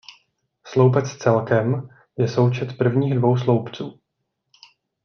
Sloupec "celkem" je součet prvních dvou sloupců.